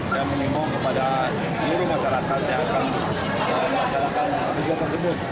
saya mengimu kepada seluruh masyarakat yang akan memasarkan hal tersebut